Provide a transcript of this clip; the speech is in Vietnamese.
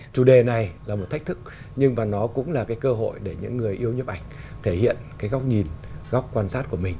chủ đề này là một thách thức nhưng mà nó cũng là cái cơ hội để những người yêu nhấp ảnh thể hiện cái góc nhìn góc quan sát của mình